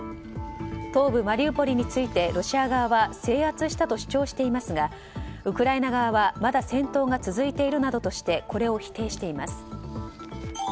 東部マリウポリについてロシア側は制圧したと主張していますがウクライナ側はまだ戦闘が続いているなどとしてこれを否定しています。